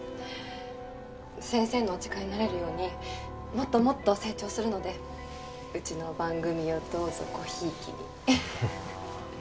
先生のお力になれるように、もっともっと成長するので、うちの番組をどうぞごひいきに。